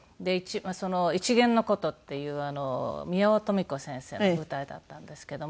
『一絃の琴』っていう宮尾登美子先生の舞台だったんですけども。